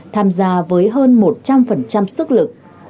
tham gia với hơn một trăm linh sức lực